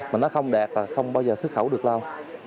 mà nó không đạt và không bao giờ xuất khẩu được lâu